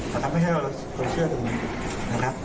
ทำให้เราเชื่อตรงนี้นะครับ